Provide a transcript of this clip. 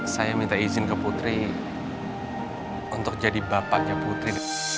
saya minta izin ke putri untuk jadi bapaknya putri